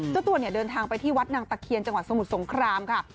เจ้าตัวเนี่ยเดินทางไปที่วัดนางตะเคียนจังหวัดสมุทรสงครามค่ะ